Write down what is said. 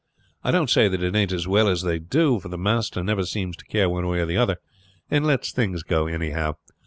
I don't say that it ain't as well as they do, for the master never seems to care one way or the other, and lets things go anyhow.